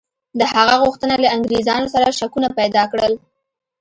د هغه غوښتنه له انګرېزانو سره شکونه پیدا کړل.